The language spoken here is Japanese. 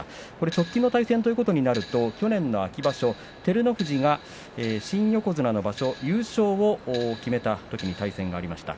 直近の対戦ということだと去年の秋場所照ノ富士が新横綱の場所、優勝を決めたときに対戦がありました。